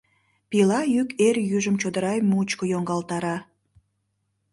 Пила йӱк эр южым чодыра мучко йоҥгалтара.